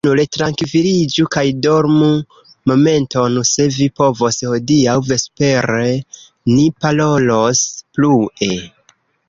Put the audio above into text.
Nun retrankviliĝu kaj dormu momenton, se vi povos, hodiaŭ vespere ni parolos plue.